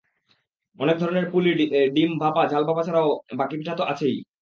অনেক ধরনের পুলি, ডিম ভাপা, ঝাল ভাপা ছাড়াও বাকি পিঠা তো আছেই।